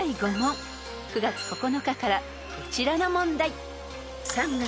［９月９日からこちらの問題］